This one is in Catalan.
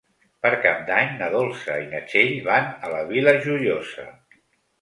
Per Cap d'Any na Dolça i na Txell van a la Vila Joiosa.